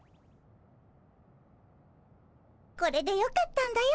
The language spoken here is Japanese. これでよかったんだよ